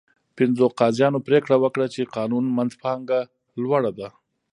پنځو قاضیانو پرېکړه وکړه چې قانون منځپانګه لوړه ده.